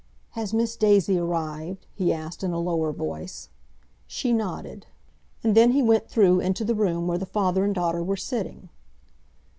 "Has Miss Daisy arrived?" he asked, in a lower voice. She nodded. And then he went through into the room where the father and daughter were sitting.